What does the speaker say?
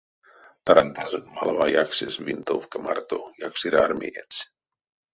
Тарантазонть малава яксесь винтовка марто якстереармеец.